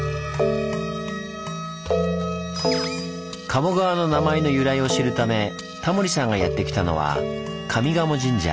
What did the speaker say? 賀茂川の名前の由来を知るためタモリさんがやって来たのは上賀茂神社。